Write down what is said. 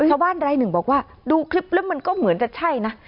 ชาวบ้านรายหนึ่งบอกว่าดูคลิปแล้วมันก็เหมือนจะใช่นะ